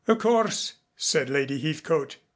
"Of course," said Lady Heathcote.